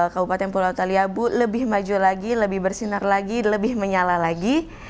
kabupaten pulau otaliabu lebih maju lagi lebih bersinar lagi lebih menyala lagi